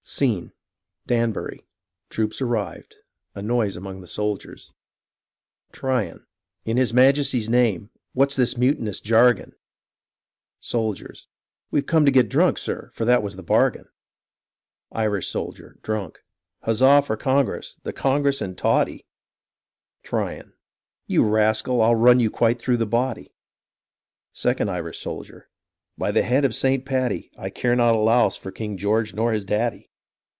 Scene. — Danbury. Troops arrived \_A noise among the soldiers'} Tryon In his Majesty's name, what's this mutinous jargon? Soldiers We've come to get drunk, sir, for that was the bargain. Irish Soldier, drunk Huzza for the Congress — the Congress and toddy — Tryon You rascal, I'll run you quite through the body. Second Irish Soldier By the head of St. Paddy I care not a louse for King George nor his daddy.